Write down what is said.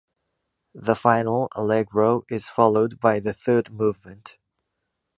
The final Allegro is followed by the third movement.